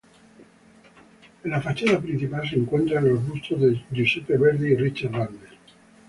En la fachada principal se encuentran los bustos de Giuseppe Verdi y Richard Wagner.